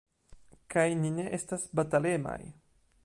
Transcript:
Kaj ni ne estas batalemaj.